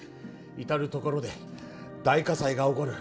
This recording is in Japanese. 至る所で大火災が起こる。